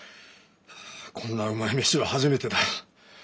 こんなうまい飯は初めてだ。